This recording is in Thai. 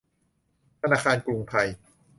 ธนาคารกรุงไทย